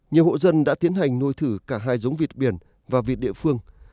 nhiều hộ dân đã tiến hành nuôi thử cả hai giống vịt biển và vịt địa phương